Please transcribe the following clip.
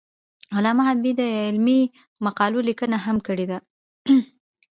علامه حبیبي د علمي مقالو لیکنه هم کړې ده.